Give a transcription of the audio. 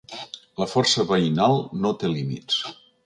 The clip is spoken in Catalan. La força veïnal no té límits.